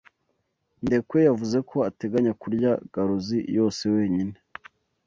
Ndekwe yavuze ko ateganya kurya garuzi yose wenyine.